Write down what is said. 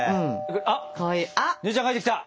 あっ姉ちゃん帰ってきた。